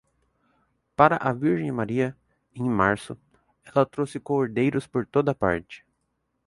Para a Virgem Maria, em março, ela trouxe cordeiros por toda parte.